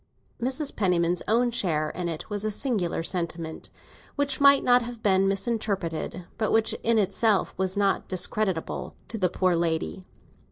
Mrs. Penniman's own share in it was a singular sentiment, which might have been misinterpreted, but which in itself was not discreditable to the poor lady.